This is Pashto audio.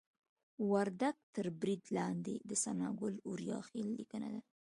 وردګ تر برید لاندې د ثناګل اوریاخیل لیکنه ده